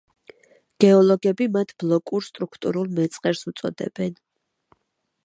გეოლოგები მათ ბლოკურ სტრუქტურულ მეწყერს უწოდებენ.